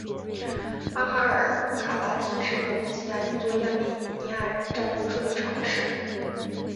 阿哈尔卡拉基是格鲁吉亚一座亚美尼亚人占多数的城市。